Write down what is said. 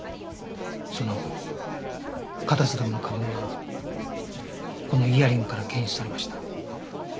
そのカタセタムの花粉がこのイヤリングから検出されました。